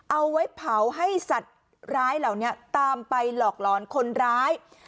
เอาไว้เผาให้สัตว์ร้ายเหล่านี้ตามไปหลอกหลอนคนร้าย